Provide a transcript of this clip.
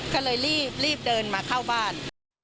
ก็เลยรีบเดินมาเข้าบ้าน